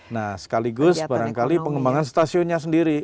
nah sekaligus barangkali pengembangan stasiunnya sendiri